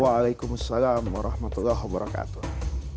waalaikumsalam warahmatullahi wabarakatuh